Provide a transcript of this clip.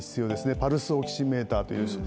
パルスオキシメーターといいます。